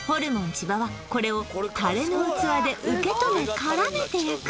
千葉はこれをタレの器で受け止め絡めて焼く